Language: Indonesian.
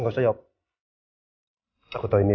sekarang sudah mau mencari karakter yang lain